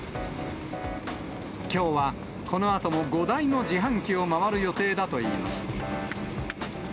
きょうは、このあとも５台の自販機を回る予定だといいます。